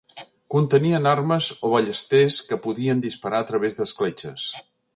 Contenien armes o ballesters que podien disparar a través d'escletxes.